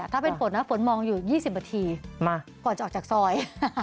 ถ้าเป็นฝนนะฝนมองอยู่๒๐นาทีก่อนจะออกจากซอย